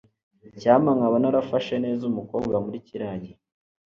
Icyampa nkaba narafashe neza umukobwa muri kiriya gihe.